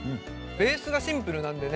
ベースがシンプルなんでね